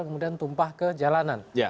kemudian tumpah ke jalanan